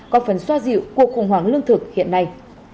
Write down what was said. có phần xoa dịu cuộc khủng hoảng lương thực hiện